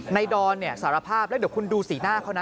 นายดอนสารภาพแล้วเดี๋ยวคุณดูสีหน้าเขาน่ะ